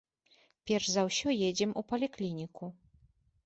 Перш за ўсё едзем у паліклініку.